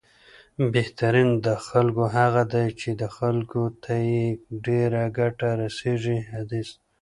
بهترین د خلکو هغه دی، چې خلکو ته یې ډېره ګټه رسېږي، حدیث